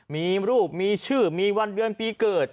มีรูปมีชื่อมีวันเดือนปีเกิด